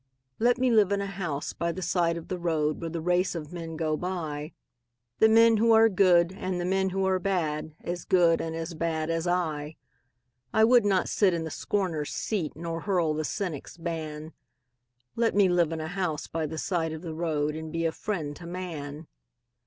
Let me live in a house by the side of the road Where the race of men go by The men who are good and the men who are bad, As good and as bad as I. I would not sit in the scorner's seat Nor hurl the cynic's ban Let me live in a house by the side of the road And be a friend to man.